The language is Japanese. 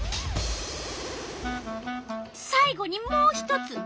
さい後にもう一つ。